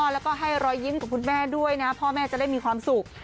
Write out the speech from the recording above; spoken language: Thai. แล้วก็ให้รอยยิ้มกับคุณแม่ด้วยนะพ่อแม่จะได้มีความสุข